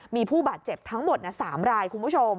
มีผู้บาดเจ็บทั้งหมด๓รายคุณผู้ชม